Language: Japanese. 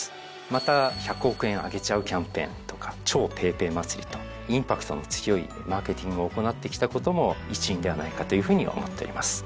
また「１００億円あげちゃうキャンペーン」とか「超ＰａｙＰａｙ祭」とインパクトの強いマーケティングを行ってきたことも一因ではないかというふうに思っております。